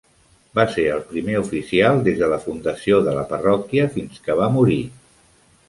Va ser el primer oficial des de la fundació de la parròquia fins que va morir.